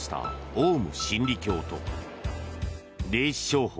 オウム真理教と霊視商法